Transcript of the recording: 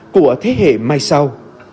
của thế hệ mai sau